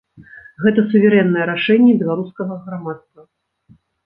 Гэта суверэннае рашэнне беларускага грамадства.